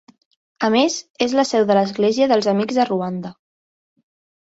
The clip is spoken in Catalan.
A més, és la seu de l'Església dels Amics a Ruanda.